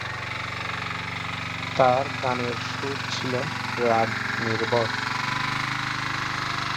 তার গানের সুর ছিল রাগনির্ভর।